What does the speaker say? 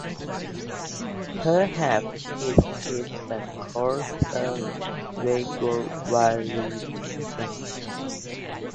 Perhaps it is a closer vague variation.